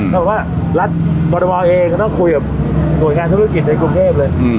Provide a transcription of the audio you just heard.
ก็บอกว่ารัฐบรรดาบราวเองก็ต้องคุยกับหน่วยงานศัตรูศักดิ์ในกรุงเทพเลย